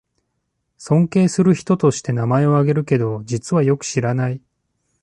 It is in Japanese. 尊敬する人として名前をあげるけど、実はよく知らない